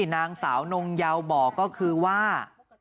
นางสาวนงเยาบอกก็คือว่า